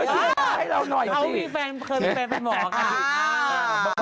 เธอชีดมาให้เราหน่อยสิเขาเคยมีแฟนเป็นหมอค่ะ